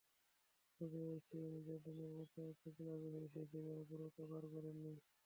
তবে স্টিভেন জেরার্ডের মতো একটা ক্লাবের হয়ে সেই ক্যারিয়ারের পুরোটা পার করেননি।